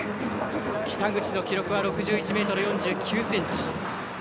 北口の記録は６１ｍ４９ｃｍ。